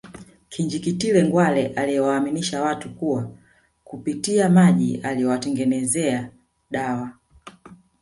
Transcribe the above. Kinjeketile Ngwale aliyewaaminisha watu kuwa kupitia maji aliyoyatengeneza dawa